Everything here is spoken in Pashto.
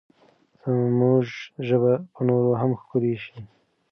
زموږ ژبه به نوره هم ښکلې شي.